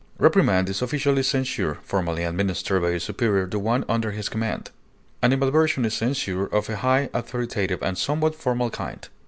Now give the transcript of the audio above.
Reprimand is official censure formally administered by a superior to one under his command. Animadversion is censure of a high, authoritative, and somewhat formal kind.